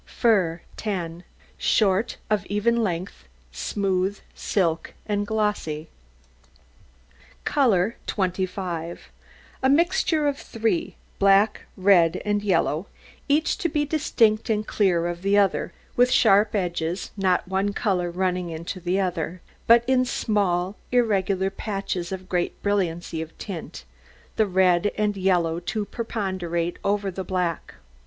FUR 10 Short, of even length, smooth, silky, and glossy. COLOUR 25 A mixture of three black, red, and yellow each to be distinct and clear of the other, with sharp edges, not one colour running into the other, but in small irregular patches of great brilliancy of tint, the red and yellow to preponderate over the black.